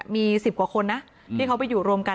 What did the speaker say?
มี๑๐กว่าคนนะที่เขาไปอยู่รวมกัน